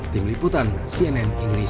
tim liputan cnn indonesia